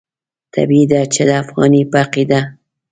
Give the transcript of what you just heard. طبیعي ده چې د افغاني په عقیده.